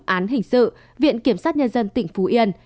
án hình sự viện kiểm sát nhân dân tỉnh phú yên